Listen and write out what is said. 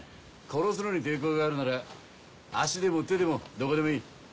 殺すのに抵抗があるなら足でも手でもどこでもいい。